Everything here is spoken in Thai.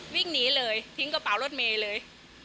วิ่งหนีเลยทิ้งกระเป๋ารถเมย์เลย